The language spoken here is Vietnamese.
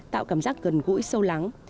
tạo cảm giác gần gũi sâu lắng